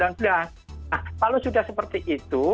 nah kalau sudah seperti itu